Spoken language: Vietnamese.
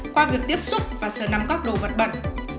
qua việc tiếp xúc và sửa nắm các đồ vật bẩn